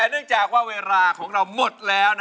เนื่องจากว่าเวลาของเราหมดแล้ว